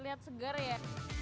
lihat segar ya